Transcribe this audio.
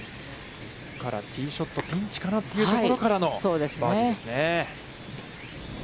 ティーショット、ピンチかなというところからバーディーですね。